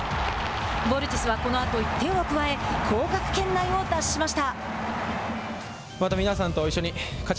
ボルティスはこのあと１点を加え降格圏内を脱しました。